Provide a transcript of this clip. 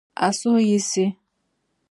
A suhi yiɣisi